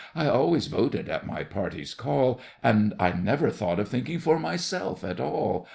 I always voted at my party's call, And I never thought of thinking for myself at all.